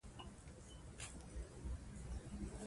افغانستان د اوښانو د ترویج لپاره پروګرامونه لري.